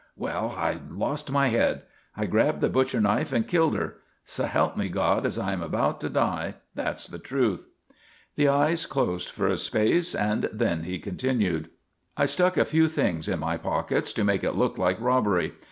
Well, I lost my head. I grabbed the butcher knife and killed her. So help me God as I am about to die, that's the truth." The eyes closed for a space, and then he continued: "I stuck a few things in my pockets to make it look like robbery.